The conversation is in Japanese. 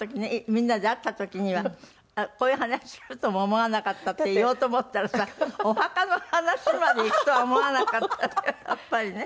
みんなで会った時にはこういう話するとも思わなかったって言おうと思ったらさお墓の話までいくとは思わなかったやっぱりね。